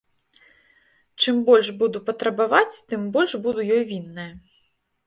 Чым больш буду патрабаваць, тым больш буду ёй вінная.